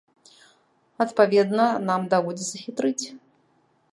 Адпаведна, нам даводзіцца хітрыць.